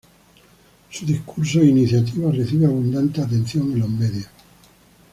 Su discurso e iniciativa recibe abundante atención en los medios.